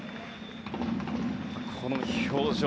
この表情。